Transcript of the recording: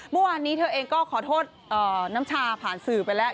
เมื่อวานนี้เธอเองก็ขอโทษน้ำชาผ่านสื่อไปแล้ว